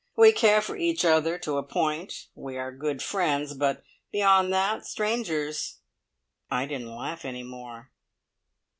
We care for each other; to a point we are good friends, but beyond that strangers." I didn't laugh any more.